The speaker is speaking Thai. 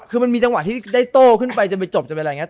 คือมันมีจังหวะที่ได้โต้ขึ้นไปจะไปจบจะเป็นอะไรอย่างนี้